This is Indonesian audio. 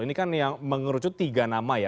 ini kan yang mengerucut tiga nama ya